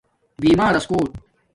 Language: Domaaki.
بیمارس کوٹ